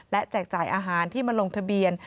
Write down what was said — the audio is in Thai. และแจกจ่ายอาหารที่มาลงทะเบียน